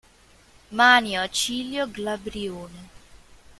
Manio Acilio Glabrione